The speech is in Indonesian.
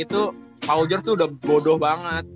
itu paul george tuh udah bodoh banget